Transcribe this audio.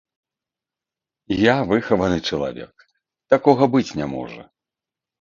Я выхаваны чалавек, такога быць не можа.